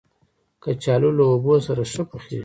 کچالو له اوبو سره ښه پخېږي